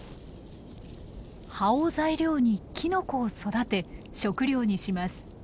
葉を材料にキノコを育て食料にします。